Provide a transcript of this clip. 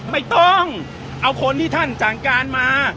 ไม่ต้องเอาคนที่ท่านสั่งการมา